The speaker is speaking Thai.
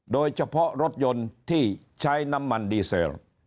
โดยเฉพาะรถยนต์ที่ใช้น้ำมันดีเซล